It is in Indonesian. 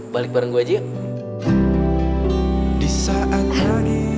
balik bareng gua aja yuk